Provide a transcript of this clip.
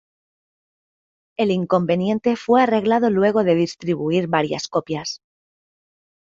El inconveniente fue arreglado luego de distribuir varias copias.